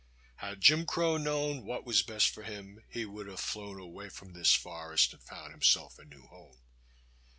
Had Jim Crow known what was best for him he would have flown away from this forest and found himself a new home.